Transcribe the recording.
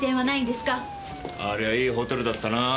ありゃいいホテルだったなぁ。